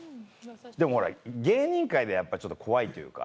でもほら芸人界ではやっぱちょっと怖いというか。